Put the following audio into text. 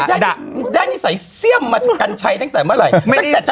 แจ่งนิสัยเสียงมากันใช้ตั้งแต่เมื่อไหร่